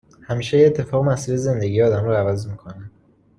همیشه یه اتفاق مسیر زندگی آدم رو عوض می کنه